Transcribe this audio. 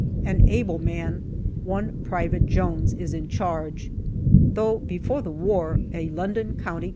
An able man, one Private Jones, is in charge. Though before the war an L.C.C.